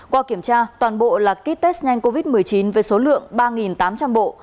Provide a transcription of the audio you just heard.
qua kiểm tra toàn bộ là ký test nhanh covid một mươi chín với số lượng ba tám trăm linh bộ